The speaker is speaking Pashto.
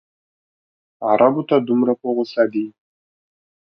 عربو ته دومره په غوسه دی.